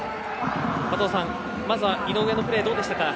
加藤さん、まずは井上のプレーどうでしたか？